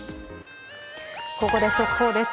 ここで速報です。